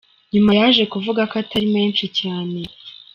Nyuma yaje kuvuga ko atari menshi cyane.